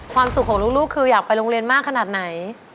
ความสุขของลูกคืออยากไปโรงเรียนมากขนาดไหน